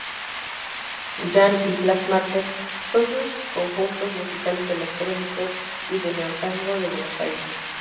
Jam y Black Market, todos conjuntos musicales electrónicos y de neo-tango de Buenos Aires.